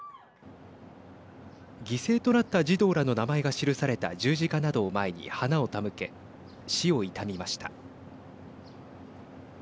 犠牲となった児童らの名前が記された十字架などを前に花を手向け死を悼みました。